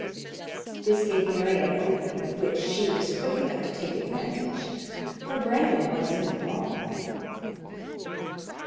This gave Mary an opening of which she was quick enough to take advantage, for Brandon was in the wrong.